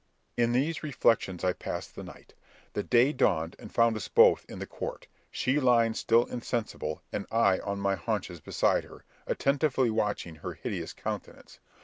In these reflections I passed the night. The day dawned and found us both in the court, she lying still insensible, and I on my haunches beside her, attentively watching her hideous countenance.